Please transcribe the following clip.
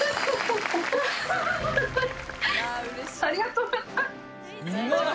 ありがとうございます！